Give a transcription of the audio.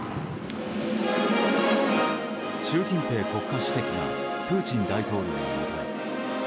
習近平国家主席がプーチン大統領のもとへ。